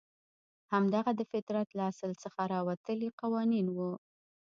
همدغه د فطرت له اصل څخه راوتلي قوانین وو.